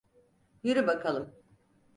Yürü bakalım.